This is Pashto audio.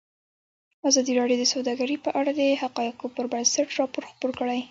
ازادي راډیو د سوداګري په اړه د حقایقو پر بنسټ راپور خپور کړی.